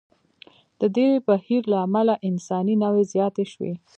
د دې بهیر له امله انساني نوعې زیاتې شوې.